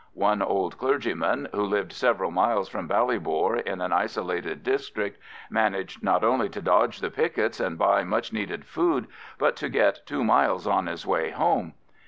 One old clergyman, who lived several miles from Ballybor in an isolated district, managed not only to dodge the pickets and buy much needed food, but to get two miles on his way home.